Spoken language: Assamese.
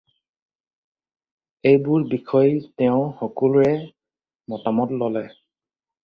এইবোৰ বিষয়ে তেওঁ সকলোৰে মতামত ল'লে।